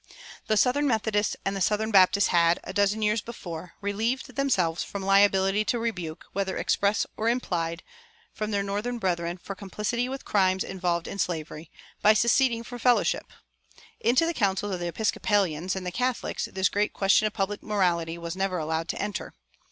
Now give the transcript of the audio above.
The southern Methodists and the southern Baptists had, a dozen years before, relieved themselves from liability to rebuke, whether express or implied, from their northern brethren for complicity with the crimes involved in slavery, by seceding from fellowship. Into the councils of the Episcopalians and the Catholics this great question of public morality was never allowed to enter.